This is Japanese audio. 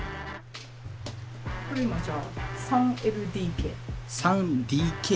これ今じゃあ３ＬＤＫ。